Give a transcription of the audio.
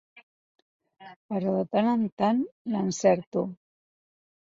Però de tant en tant l'encerto.